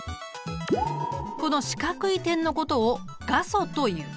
この四角い点のことを画素という。